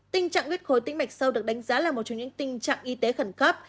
tình trạng huyết khối tính mạch sâu được đánh giá là một trong những tình trạng y tế khẩn cấp